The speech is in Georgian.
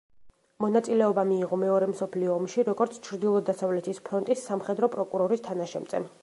მონაწილეობა მიიღო მეორე მსოფლო ომში როგორც ჩრდილო-დასავლეთის ფრონტის სამხედრო პროკურორის თანაშემწემ.